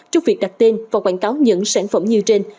trong việc đặt tên và quảng cáo những sản phẩm như trên